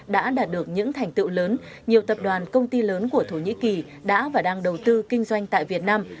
đã đạt được những thành tựu lớn nhiều tập đoàn công ty lớn của thổ nhĩ kỳ đã và đang đầu tư kinh doanh tại việt nam